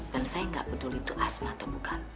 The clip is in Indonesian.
dan saya gak peduli itu asma atau bukan